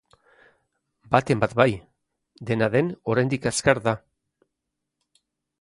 Baten bat bai, dena den, oraindik azkar da.